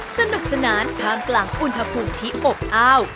สนุกสนานท่ามกลางอุณหภูมิที่อบอ้าว